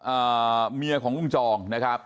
อ่าเมียของลุงจองนะครับ